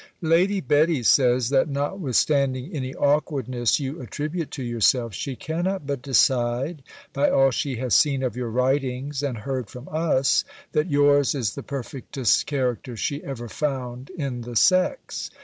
Lady Betty says, that, notwithstanding any awkwardness you attribute to yourself, she cannot but decide, by all she has seen of your writings, and heard from us, that yours is the perfectest character she ever found in the sex.